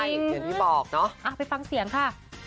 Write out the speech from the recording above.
ใช่เหมือนที่บอกเนาะอะไปฟังเสียงค่ะ